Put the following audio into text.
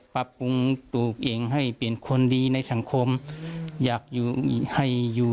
ปรับปรุงปลูกเองให้เปลี่ยนคนดีในสังคมอยากให้อยู่